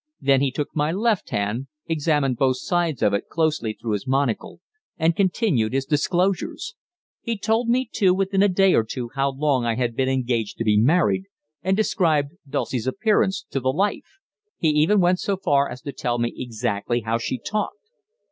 Then he took my left hand, examined both sides of it closely through his monocle, and continued his disclosures. He told me to within a day or two how long I had been engaged to be married, and described Dulcie's appearance to the life; he even went so far as to tell me exactly how she talked.